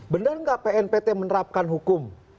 benar nggak pnpt menerapkan hukum